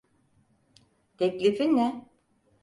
Teklifin ne?